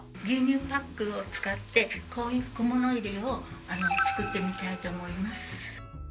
牛乳パックを使ってこういう小物入れを作ってみたいと思います。